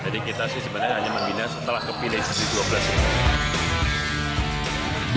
jadi kita sih sebenarnya hanya memilih setelah kepilih di dua belas